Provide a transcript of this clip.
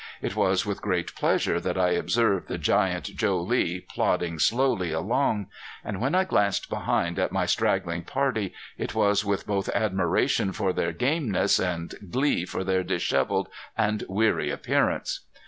It was with great pleasure that I observed the giant Joe Lee plodding slowly along. And when I glanced behind at my straggling party it was with both admiration for their gameness and glee for their disheveled and weary appearance.